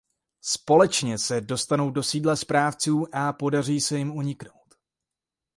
Společně se dostanou do sídla správců a podaří se jim uniknout.